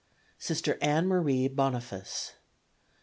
Sister Ann Marie Boniface.